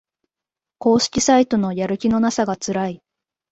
公式サイトのやる気のなさがつらい